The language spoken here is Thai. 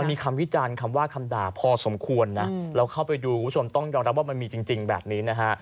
มีคำวิจารณ์คำว่าคำด่าพอสมควรนะเราเข้าไปดูคุณผู้ชมต้องยอมรับว่ามันมีจริงแบบนี้นะฮะ